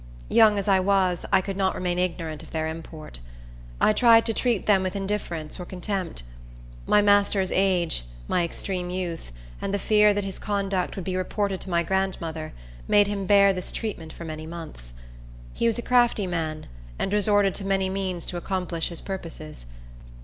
Young as I was, I could not remain ignorant of their import. I tried to treat them with indifference or contempt. The master's age, my extreme youth, and the fear that his conduct would be reported to my grandmother, made him bear this treatment for many months. He was a crafty man, and resorted to many means to accomplish his purposes.